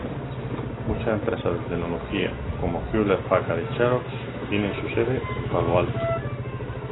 Muchas empresas de tecnología, como Hewlett-Packard y Xerox, tienen su sede en Palo Alto.